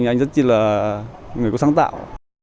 anh ấy rất là người có sáng tạo